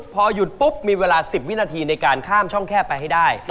พอหยุดปุ๊บมีเวลา๑๐วินาทีในการข้ามช่องแคบไปให้ได้